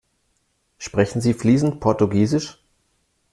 Sprechen Sie fließend Portugiesisch?